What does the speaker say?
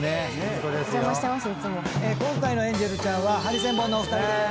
今回のエンジェルちゃんはハリセンボンのお二人でーす。